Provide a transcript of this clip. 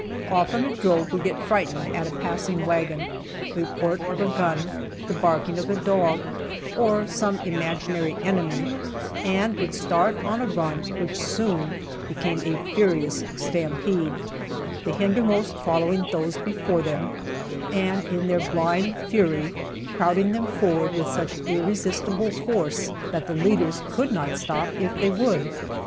Often a drove would get frightened at a passing wagon, the report of a gun, the barking of a dog, or some imaginary enemy, and would start on a run which soon became a furious stampede, the hindermost following those before them, and in their blind fury crowding them forward with such irresistible force that the leaders could not stop if they would.